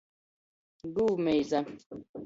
Gūvmeiza.